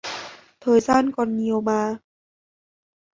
thời gian còn nhiều mà